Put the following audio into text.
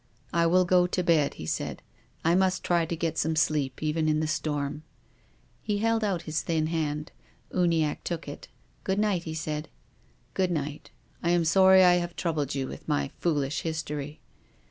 " I will go to bed," he said. " I must try to get some sleep even in the storm." He held out his thin hand. Uniacke took it. " Good night," he said. " Good night. I am sorry I have troubled you with my foolish history.